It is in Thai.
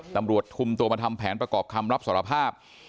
ตำรวจคุมตัวมาทำแผนประกอบคำรับสารภาพ